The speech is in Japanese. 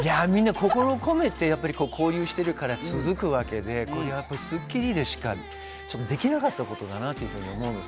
みんな心を込めて交流してるから続くわけで、『スッキリ』でしかできなかったことだなと思うんです。